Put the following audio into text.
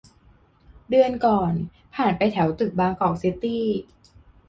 เดือนก่อน ผ่านไปแถวตึกบางกอกซิตี้